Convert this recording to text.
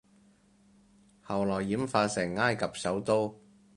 後來演化成埃及首都